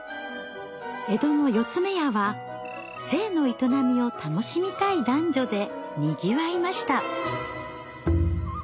江戸の「四ツ目屋」は性の営みを楽しみたい男女でにぎわいました。